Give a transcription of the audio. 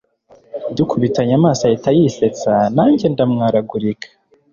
dukubitanye amaso ahita yisetsa nanjye ndamwaragurika